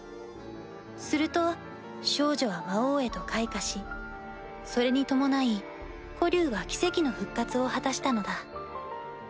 すると少女は魔王へと開花しそれに伴い子竜は奇跡の復活を果たしたのだ。